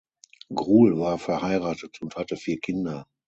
Gruhl war verheiratet und hatte vier Kinder.